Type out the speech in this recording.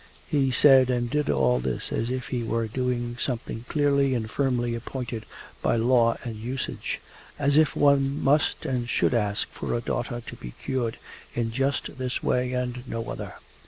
He said and did all this as if he were doing something clearly and firmly appointed by law and usage as if one must and should ask for a daughter to be cured in just this way and no other.